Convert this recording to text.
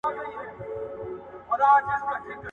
• اوبه د سر د خوا خړېږي.